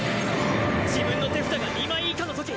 自分の手札が２枚以下のとき